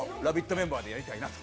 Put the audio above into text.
メンバーでやりたいなと。